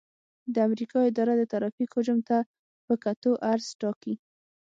د امریکا اداره د ترافیک حجم ته په کتو عرض ټاکي